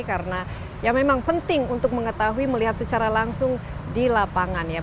karena ya memang penting untuk mengetahui melihat secara langsung di lapangan ya